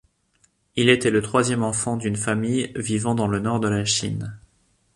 Il était le troisième enfant d'une famille vivant dans le nord de la Chine.